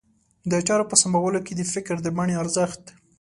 د چارو په سمبالولو کې د فکر د بڼې ارزښت.